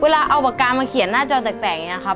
เวลาเอาปากกามาเขียนหน้าจอแตกอย่างนี้ครับ